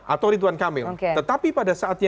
atau ridwan kamil tetapi pada saatnya